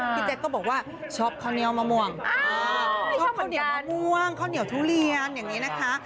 แจ๊กก็บอกว่าชอบข้าวเหนียวมะม่วงชอบข้าวเหนียวมะม่วงข้าวเหนียวทุเรียนอย่างนี้นะคะ